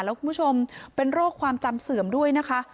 แล้วคุณผู้ชมเป็นโรคความจำเสื่อมด้วยนะคะ